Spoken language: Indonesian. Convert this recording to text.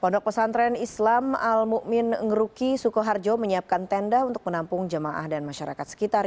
pondok pesantren islam al ⁇ mumin ⁇ ngeruki sukoharjo menyiapkan tenda untuk menampung jamaah dan masyarakat sekitar